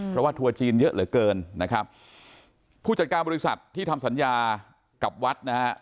เพราะว่าทัวร์จีนเยอะเหลือเกินนะครับผู้จัดการบริษัทที่ทำสัญญากับวัดนะฮะ